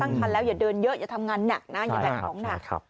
คันแล้วอย่าเดินเยอะอย่าทำงานหนักนะอย่าแบกของหนัก